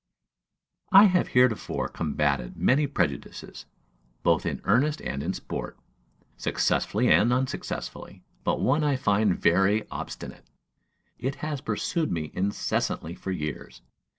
I have heretofore combated many prejudices, both in earnest and in sport, successfully and unsuccessfully; but one I find very obstinate, it has pursued me incessantly for years.